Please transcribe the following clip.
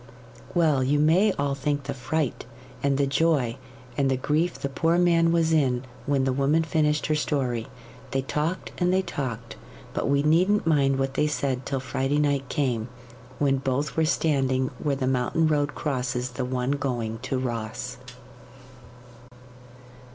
Well, you may all think the fright, and the joy, and the grief the poor man was in when the woman finished her story. They talked and they talked, but we needn't mind what they said till Friday night came, when both were standing where the mountain road crosses the one going to Ross.